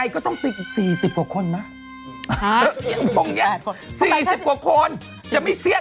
กี่ผู้ชาย